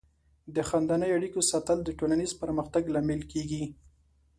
د خاندنۍ اړیکو ساتل د ټولنیز پرمختګ لامل کیږي.